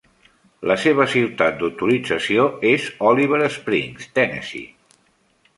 La seva ciutat d'autorització és Oliver Springs, Tennessee.